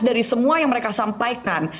dari semua yang mereka sampaikan